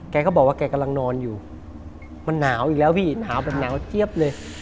แกก็บอกว่าแกกำลังนอนอยู่มันหนาวอีกแล้วพี่หนาวแบบหนาวเจี๊ยบเลย